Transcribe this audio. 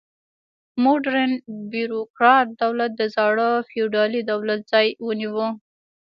موډرن بیروکراټ دولت د زاړه فیوډالي دولت ځای ونیو.